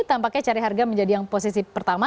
tampaknya cari harga menjadi yang posisi pertama